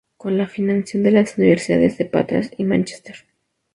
Con la financiación de las universidades de Patras y Mánchester.